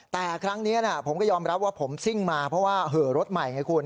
แต่ครั้งนี้ผมก็ยอมรับว่าผมซิ่งมาเพราะว่าเหอะรถใหม่ไงคุณ